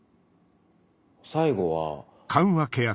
最後は。